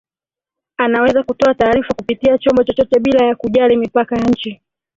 anaweza kutoa taarifa kupitia chombo chochote bila ya kujali mipaka ya nchi